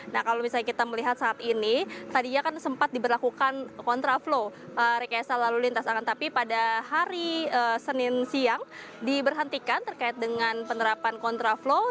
nah kalau misalnya kita melihat saat ini tadinya kan sempat diberlakukan kontraflow rekayasa lalu lintas akan tapi pada hari senin siang diberhentikan terkait dengan penerapan kontraflow